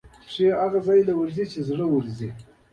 پارکس د محکمې پر لګښت سربېره نغدي جریمه شوه.